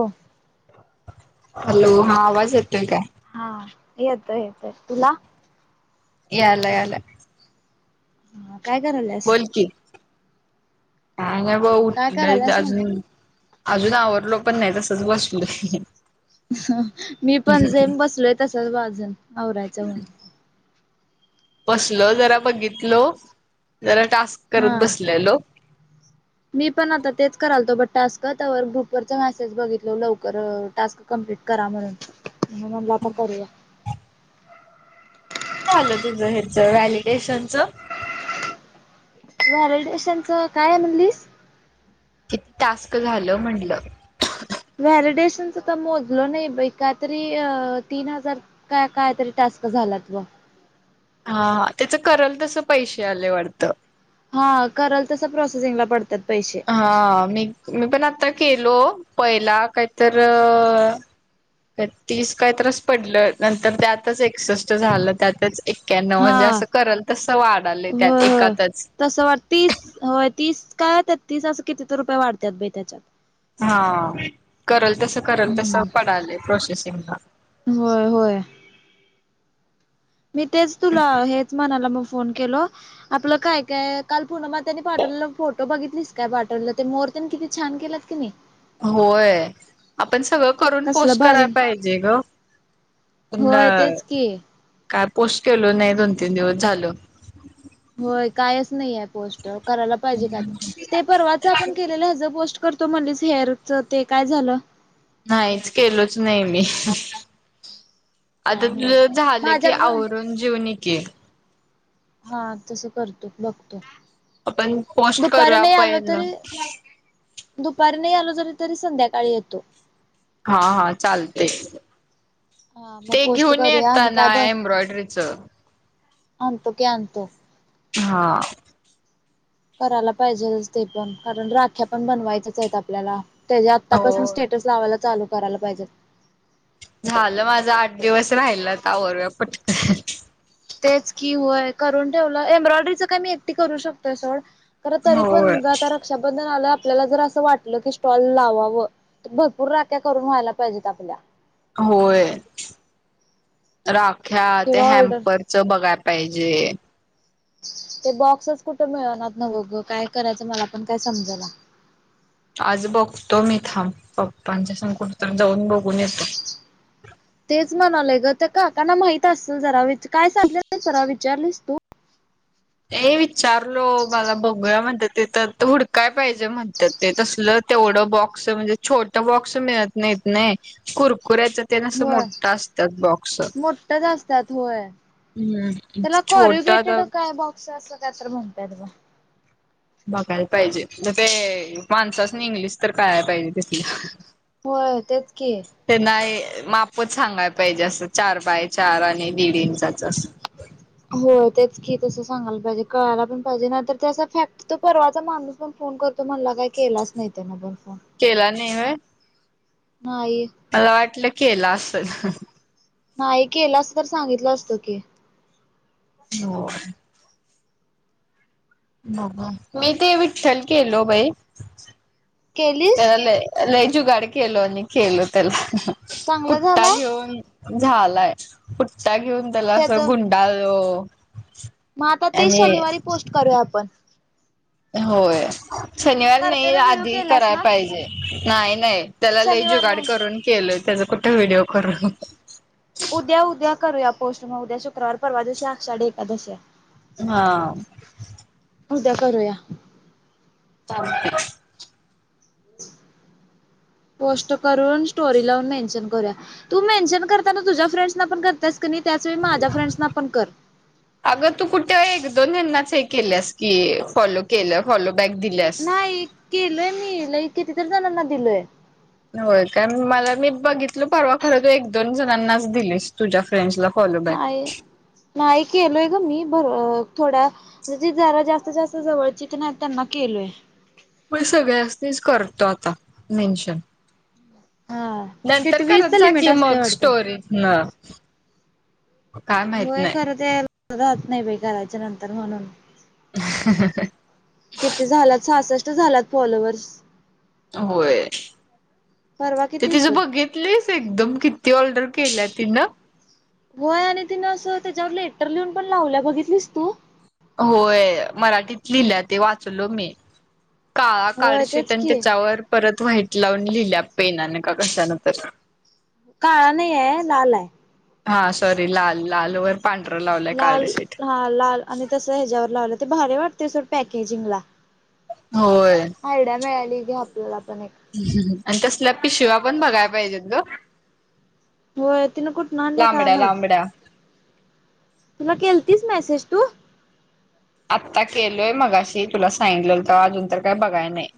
हो, हॅलो! हा आवाज येतोय काय? हा येतोय, येतोय तुला? याला, याला, हा काय करायलासं? बोल की काय न बा काय उठलेच करायल्यास म्हणलं? अजून. अजून आवरलो पण नाही, तसचं बसले. मी पण सेम बसलोयं तसेंच अजून आवरायच म्हणून. बसलोय जरा बघितलो जरा टास्क करत हा. बसलेलो. मी पण आता तेचं करालतो टास्क, त्यावर ग्रुप वरचा मेसेज बघितलो लवकर टास्क कॉम्प्लेट करा म्हणून, म्हणून म्हणल आता करूया. किती झालं तुझं हेचं व्हॅलिडेशन चं? व्हॅलीडेशनचं काय ये म्हणलीस? किती टास्क झालं म्हटलं? व्हॅलिडेशनच तर मोजलं नाही बाई, काय तरी तीन हजार काय- काय तरी टास्क झालात तुवा. हा त्याचं करलं तसं पैसे आले वाटतं. हा करालं तसं प्रोसेसिंग ला पडतात पैसे. हा अं मी, मी पण आता केलो पहिला काहीतर अ ते टीस काही तरच पडलं नंतर त्यातचं एकसष्ट झालं, त्यातचं ऐक्यानोव म्हणजे हा असं करल तसं वाढाले त्यात एकातचं. तस, तीस होय तीस काय त्या छत्तीस अस किती तर रुपये वाढतात बाई त्याच्यात. हा, करल तस करल तस हम्म पडाले प्रोसेसिंगला. होय होय मी, तेच तुला हेच म्हणाला मग फोन केल. आपल काय काय काल पुनम आत्यांनी पाठवलेला फोटो बघितलीस काय पाठवलेला. ते मोर तेन किती छान केलात क नाही होय, आपण सगळ करून कसलं पोस्ट भारी करायला पाहिजे ग. पण होय तेच की. काय पोस्ट केल नाही दोन तीन दिवस झाल. होय कायच नाही आहे पोस्ट. करायला पाहिजे काय तर. ते परवाच आपण केलेल ह्याच पोस्ट करतो म्हणली, सीआरबच ते काय झाल? नाहीच केलोच नाही मी. आता काय तुझ नव्हच झाल की, माझ्याकड आवरून जीवुन ये की. हा तस करतो बघतो. आपण पोस्ट दुपारी करूया नाही आलो पहील. तरी दुपारी नाही आलो जरी तरी संध्याकाळी येतो. हा हा चालतय. हा मग ते पोस्ट घेऊन ये करूया आणि काय येेताना एम्ब्रॉयडरीच. अणतो की आणतो. हा करायला पाहिजे ते पण. कारण राख्या पण बनवायच्याच आहेत आपल्याला. त्याची आत्तापासन हो स्टेटस लावायला चालू करायला पाहिजेत. झाल माझ आठ दिवस राहिलात आवरूया पटकन. तेच कि व्हय करून ठेवल. एम्ब्रॉयडरीच काय मी एकटी करू शकतोय सोड. खर तरी होय. पण आता रक्षाबंधन आल आपल्याला जर अस वाटल की स्टॉल लावाव. भरपूर राक्या करून व्हायला पाहिजेत आपल्या. होय, राख्या त्या किंवा ऑर्डर हॅम्पर च बघाय पाहिजे. ते बॉक्सच कुठ मिळणात ना ग. काय करायच मला पण काय समजना. आज बघतो मी थांब. पप्पांच्या संघ कुट तर जाऊन बघून येतो. तेच म्हणालेय ग. त्या काकांना माहित असेल जरा विच काय सांगले जरा विचारलीस तू. ते विचारलो मला बघुया म्हणत्यात. ते तर हुडकाय पाहिजे म्हणत्यात ते. तसल तेवढ बॉक्स म्हणजे छोट बॉक्स मिळत. नाहीत नाही. कुरकुऱ्याच ते ना अस मोठ असतात बॉक्स. असत्यात व्हय. हम्म त्याला छोटा कोरुगेटड आता काय अस असल काय तर म्हणत्यात बघ. बघायला पाहिजे, ते माणसासने इंग्लिश तर कळायला पाहिजे तिथल्या. होय तेच की. त्यांना मापच सांगायला पाहिजे. अस चार बाय चार आणि दीड इंचाच अस. हो तेच की तस सांगायला पाहिजे. कळायला पण पाहिजे. नाही तर त्या फॅक्ट तो परवाचा माणूस पण फोन कर तो म्हणला काय केलाच नाही त्यान पण फोन. केला नाही व्हय. नाही मला वाटल केला असल. नाही केलास तर सांगितल असत की. हो [inaudible] मी ते विठ्ठल केलो बाई केलीस त्याला. ल [inaudible] जुगाड केल आणि केल त्याला चांगलं पुट्टा झालाय घेऊन. झालाय फुट्टा घेऊन त्याला त्याच असं गुंडाल. मग आता ते शनिवारी पोस्ट करूया आपण. होय शनिवार नाही कर्तेला व्हिडिओ आधी केलास करायला ना पाहिजे नाही नाही. त्याला लले [inaudible] शनिवार जुगाड म्हणून. करून केलंय त्याचा कुठे व्हिडिओ करू. उद्या उद्या करूया पोस्ट मग उद्या शुक्रवार परवा आषाढी एकादशी आहे. हा [inaudible] उद्या करूया. तर [inaudible] पोस्ट करून स्टोरी लावून मेन्शन करूया. तू मेनशन करताना तुझ्या फ्रेंडसला पण करतेस का त्याच वेळी माझ्या फ्रेंडसना पण कर. अगं तू कुठे एक दोन हेनाच हे केल्यास की फॉलो केलं फॉलोबॅक दिल्यास. नाही केलोय मी केलंय कितीतरी जणांना दिलोय. होय काय मला मी बघितल परवा खर तू एक दोन जणांनाच दिलेस तुझ्या फ्रेंड्सला. फॉलो बॅक नाही नाही केलोय ग मी बर थोड्या. तुझी. जरा जास्तीत जास्त जवळचीित नाही त्यांना केलोय मी सगळ्याना करतो आता मेन्शन. हा नंतर किती वीसच करत जा लिमिट की असते मग वाटतं स्टोरी ना [inaudible] होय खरं तर [inaudible] राहत नाही कराच्या नंतर म्हणून. ह [inaudible] किती झालात सासष्ट झालात फॉलोअर्स. होय परवा ते किती तिझं होतं. बघित. लीस एकदम किती ऑर्डर केल्या तीन. होय आणि तिनं असं त्याच्यावर लेटर लिहून पण लावल्या बघितलीस तू. होय मराठीत लिहिलं ते वाचलो मी. काळा होय काळशीेट तेच आणि की त्याच्यावर परत व्हाईट लावून लिहिल्या पेनाने का कशान तर. काळा नाही आहे लाल आहे. हा सॉरी लाल लाल वर. [inaudible] लाल हा लाल आणि तस ह्याच्यावर लावलं ते भारी वाटते सोड पॅकेजिंग ला. होय. आयडिया मिळाली घे आपल्याला पण एक. [inaudible] आणि तसला पिशिवा पण बघाय पाहिजेत ग. हो तिनं कुठून आणल्या काय लांबड्या माहित. लांबड्या तुला केलतीच मेसेज तू. आत्ता केलोय मगाशी तुला सांगितलंलं तर अजून तर काही बघाय नाही.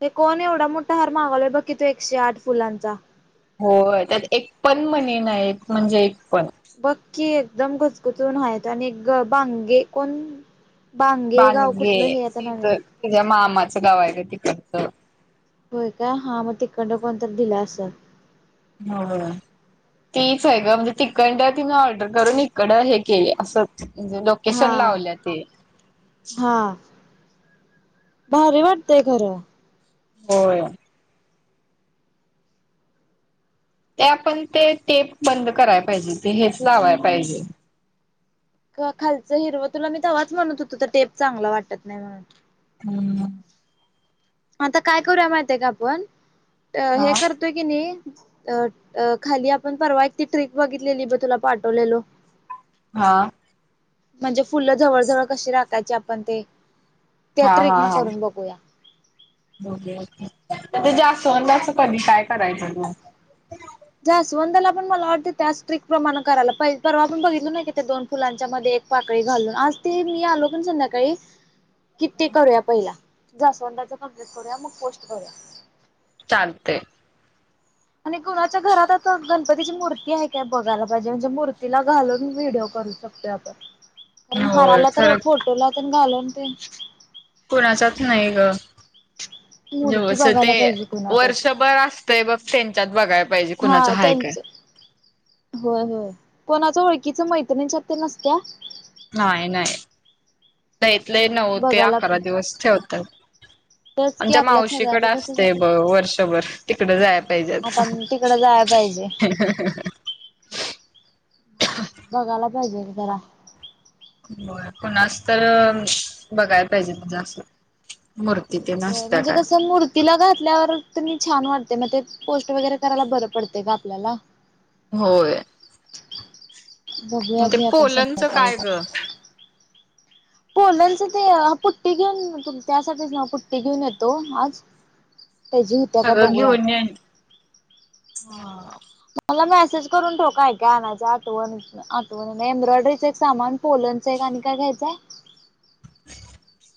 ते कोण एवढा मोठा हार मागवलाय बघ की तो एकशे आठ फुलांचा. हो त्यात एक पण मनी नाही म्हणजे एक पण. बक्की एकदम घुचघुसून हयेत आणि एक बांगे कोण. बांगे गाव कुठलं हे आता नवीन. तीझ्या मामाचं गावायचं आहे तिकडचं. होय का हा मग तिकडण कोणी तर दिला अस. हा ह [inaudible] तीच आहे ग म्हणजे तिकंड तिं ऑर्डर करून इकडं हे केले असंच म्हणजे नको हा. हा भारी वाटतय खरं. होय. ते आपण ते टेप बंद कराय पाहिजे, ते हेच लावाय पाहिजे खालचं हिरव तुला तवाच म्हणत होतो तर टेप चांगला वाटत नाही म्हणून. हम्म. आता काय करूया माहित आहे का आपण हे हा करतोय की नई अ अ खाली आपण परवा एक ती ट्रिक बघितलेली बघ तुला पाठवलेलो. हा. म्हणजे फुलं जवळ जवळ कशी राखायची आपण ते त्या ट्रिक न करून बघूया. जास्वंदाचे पाणी काय करायचं ग. जास्वंदाला मला आवटतय त्याच ट्रिक प्रमाणे करायला पाहिजे परवा आपण बघितलो ना की त्या दोन फुलांच्या मध्ये एक पाकळी घालून आज ते मी आलो पण संध्याकाळी किते करूया पहिला जास्वंदाचं कंप्लेट करूया मग पोस्ट करूया. चालतय. आणि कुणाच्या घरात आता गणपतीची मूर्ती आहे काय बघायला पाहिजे म्हणजे मूर्तीला घालून व्हिडिओ करू शकतो आपण कारण होय हाराला तर खरं फोटोला घालून ते कुणाचाच नाही ग मूर्ती जेवस ते बघायला पाहिजे कुणाच्याच. वर्षभर अस ते बघ त्यांच्यात बघाय पाहिजे हा कुणाचं हाय काय त्यांच. होय होय कोणाच ओळखीच मैत्रिणच्यात नसत्या. नाही नाही, लय ते लय नऊ ते बघायला अकरा पाहिजे. दिवस ठेवतात. तेच की आमच्या आपल्या मावशीकडे सगळ्यांच्या तसच असतंय होत बघ वर्षभर तिकडं जाय पाहिजेत. तिकडं जाया पाहिजे. बघाना काहीतरी करा. होय कोणाच तर बघायला पाहिजे म्हणजे असं. मूर्ती ते न असता का. तिला घातल्यावर तुम्ही छान वाटतय मग ते पोस्ट वगैरे करायला बरं पडतेग आपल्याला. होय. बघूया ते घे पोलंनच संध्याकाळी काय आता. ग पोलंनच ते पुट्टी घेऊन त्यासाठीच ना पुट्टी घेऊन येतो आज त्याझी होत्या काय सगळं बघूया घेऊन येईन हा. हा मला मेसेज करून ठेव काय काय आणायचं आठवण आठवण एम्ब्रॉयडरीचे एक सामान पोलनच एक आणि काय घ्यायचंय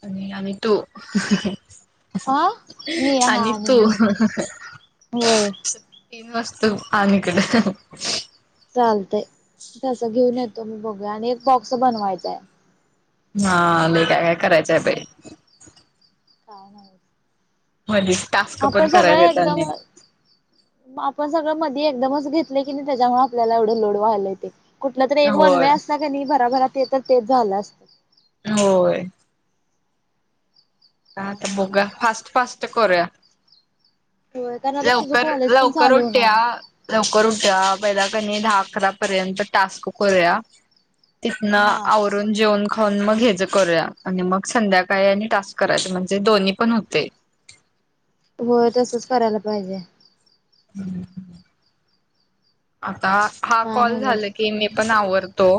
आणि आम्ही तु. अ मी हा आणि तू. मी होय तीन वस्तू आणि इकडं. चालतंय तसं घेऊन येतो मी बघूया आणि एक बॉक्स बनवायचाय. हा लय काय काय करायचं बाई. काय नाही. [unintelligible] आपण सगळे करायला येत एकदम नाही. आपण सगळं मधे एकदमच घेतले की नाही ते त्याच्यामुळे आपल्याला एवढं लोड व्हालाय ते. कुठलं तरी एक वन वे होय असता का नाही भराभरा ते तर तेच झालं अस होय ह काय तर नवच बघा बाई फास्ट फास्ट करुया. होय कारण आता तुझं लवकर कॉलेज पण लवकर चालू होणार होठुया. आहे. लवकर उठ्या पहिला कनी दहा अकरा पर्यंत टास्क करूया तिथन हा. आवरु ून जेवन खाऊन मग हे करूया आणि मग संध्याकाळी आणि टास्क करायच म्हणजे दोन्ही पण होते. हो तसच करायला पाहिजे. आता हा काय कॉल नवच झालं की मी पण आवरतो.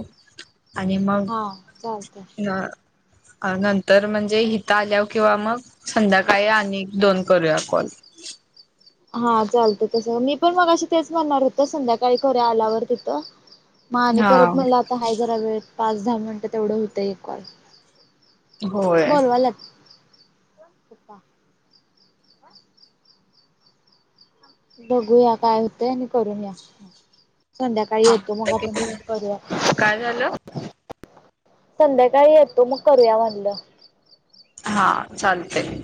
आणि मग हा चालतंय. अ.. नंतर म्हणजे इिथं आल्यावर किंवा मग संध्याकाळी आणि दोन करूया कॉल. हा चालत तसं मी पण मगाशी तेच म्हणणार होत संध्याकाळी करूया आल्यावर तिथं. म आणि हा परत मला आता हा जरा वेळ पाच दहा मिनिटं तेवढं होतं एक कॉल. होय. पालग [unintelligible] बघूया काय होतय आणि करून या. संध्याकाळी हा येतो मग तर आपण किती करूया. काय झालं? संध्याकाळी येतो मग करूया म्हणलं. हा चालतय.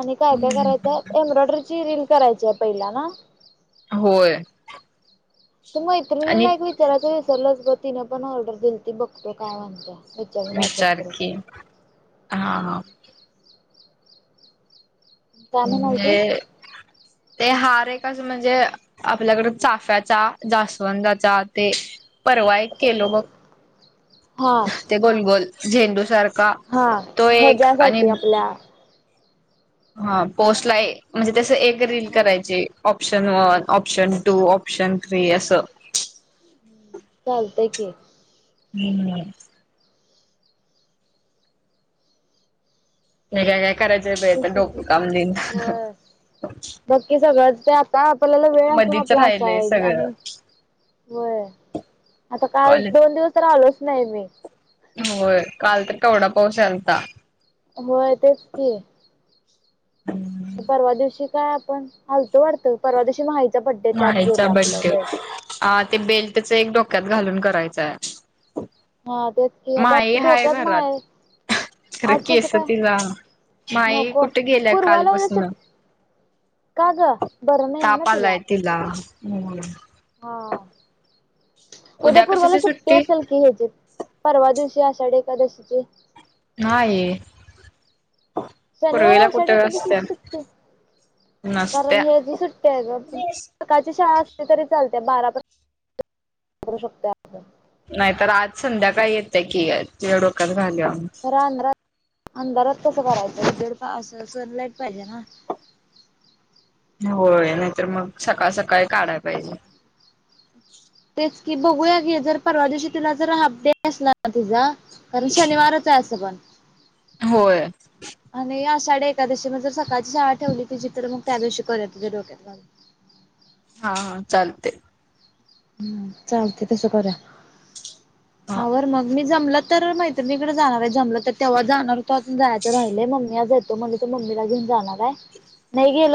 आणि काय काय हम्म. करायचंय एम्ब्रॉयडरीची रील करायची आहे पहिला ना. होय त आणि मैत्रिणीला एक विचारायचं विसरलंच ग तिने पण ऑर्डर दिली त बघतो काय म्हणत्या. विचारून मॅसेज विचार की हा करते हा काय म्हणालतीस म्हणजे ते हार आहे क असं म्हणजे आपल्याकडे चाफ्याचा जास्वंदाचा ते.. परवा केलो हा मग ते गोलगोल झेंडू सारख. का हा तो एक आणि.. ह्याच्यासाठी आपल्या हा पोस्ट ला म्हणजे तस एक रील हा करायची.. option one option two option three असं.. चालतय की.. हम्म हे काय काय करायचे ब तर तस डोक काम दिना. बाक्की सगळंच ते आता आपल्याला वेळ असून मधीच आपला असा राहिलय आहे सगळं आणि. होय आता काल कॉलेज दोन दिवस तर आलोच नाही मी. होय काल तर के वढा पाऊस यालता. हो य तेच की.. हम् परवा दिवशी काय आपण अलतो वाटतं परवा दिवशी माहीचा बडे त्यात माहीचा गेलं आपलं बड्डे वेळ. अ ते बेल्टच एक डोक्यात घालून करायचंय आज. हा तेच की आता माय हाय डोक्यात घरात. माय खरं आज कसं केस काय तिला माई नको कुठे गेल्या पूर्वाला उद्या कालपसून. सुट का ग बरं नाही आहे ना ताप आलाय तिला. हा उद्या पूर्वाला सुट्टी असेल की ह्याची. परवा दिवशी आषाढ एकादशीची. नाए शनिवारी आषाढ कुठे असत्या एकादशीची सुट्टी आहे. कारण, नसत्या हे जी सुट्टी आहे ग. सकाळची शाळा असली तरी चालते बारा पर्यंत [unintelligible] करू शकत नाही तर आज संध्याकाळी येते की, [unintelligible] खर अंधारात अंधारात कसं करायचं उजेड असं सन लाईट पाहिजे ना होय, नाहीतर मग सकाळ सकाळी काढायला पाहिजे. तेच की, बघूया की जर परवा दिवशी तिला जर हाफ डे असलाना तिझा कारण शनिवारच आहे असं पण होय आणि आषाढ एकादशीला जर सकाळची शाळा ठेवली तिजी तर मग त्या दिवशी परत तिज्या डोक्यात घालू. हा हा चालतयं हं चालतंय तसं करू या हा आवर मग मी जमलं तर मैत्रिणीकडे जाणार आहे. जमलं तर तेव्हा जाणार होतो अजून जायचं राहिलंय मम्मी आज म्हणजे तू मम्मीला घेऊन जाणार आहे नाही गेलो